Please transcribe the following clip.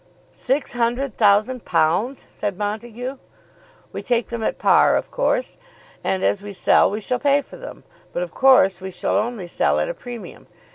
"Six hundred thousand pounds!" said Montague. "We take them at par, of course, and as we sell we shall pay for them. But of course we shall only sell at a premium.